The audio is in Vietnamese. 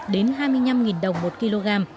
đến hai mươi năm đồng một kg